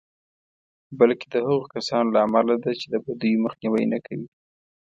بلکې د هغو کسانو له امله ده چې د بدیو مخنیوی نه کوي.